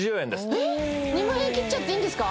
ええっ２万円切っちゃっていいんですか？